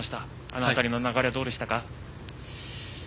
あの辺りの流れはどうでしたか？